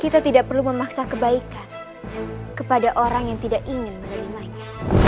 kita tidak perlu memaksa kebaikan kepada orang yang tidak ingin menerimanya